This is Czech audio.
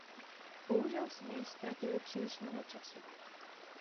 Bohužel jsme již ztratili příliš mnoho času.